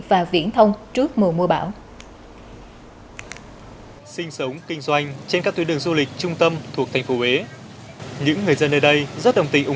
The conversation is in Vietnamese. và viễn thông trước mùa mưa bão